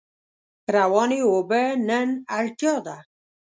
روانې اوبه نن اړتیا ده.